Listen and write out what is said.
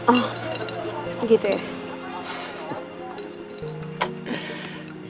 oh gitu ya